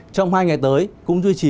trong hai ngày tới cũng duy trì